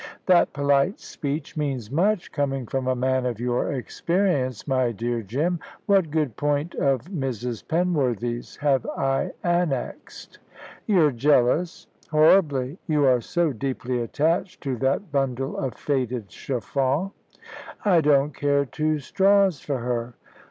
"That polite speech means much, coming from a man of your experience, my dear Jim. What good point of Mrs. Penworthy's have I annexed?" "You're jealous!" "Horribly! You are so deeply attached to that bundle of faded chiffon." "I don't care two straws for her."